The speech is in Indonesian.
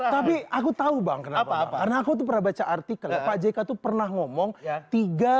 tapi aku tahu bang kenapa apa karena aku pernah baca artikel aja itu pernah ngomong ya tiga